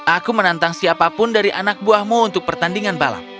aku menantang siapapun dari anak buahmu untuk pertandingan balap